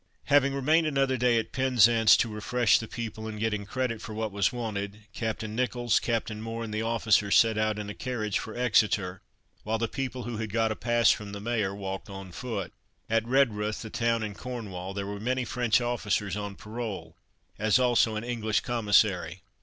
Having remained another day at Penzance to refresh the people, and getting credit for what was wanted, Captain Nicholls, Captain Moore and the officers set out in a carriage for Exeter, while the people, who had got a pass from the Mayor, walked on foot. At Redruth, a town in Cornwall, there were many French officers on parole, as also an English Commissary.